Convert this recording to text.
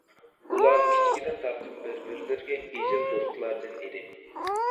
ئۇلار كىچىكىدىن تارتىپ بىر-بىرلىرىگە ئېجىل دوستلاردىن ئىدى.